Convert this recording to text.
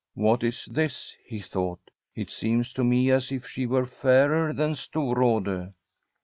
* What is this ?' he thought. * It seems to mc as if she were fairer than Storrade.'